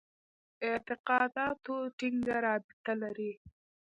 اعتقاداتو ټینګه رابطه لري.